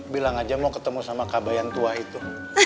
bilang aja mau ketemu sama kak bayang tua itu